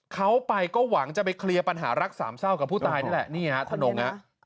เขาไปก็หวังจะไปเคลียร์ปัญหารักสามเศร้ากับผู้ตายนี่แหละนี่ฮะถนนฮะ